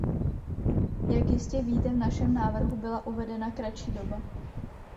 Jak jistě víte, v našem návrhu byla uvedena kratší doba.